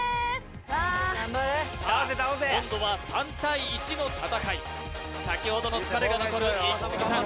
うわさあ今度は３対１の戦い先ほどの疲れが残るイキスギさん